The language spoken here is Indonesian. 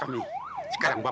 saya ingin ke masalah